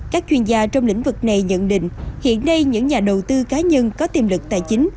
các chuyên gia trong lĩnh vực này nhận định hiện nay những nhà đầu tư cá nhân có tiềm lực tài chính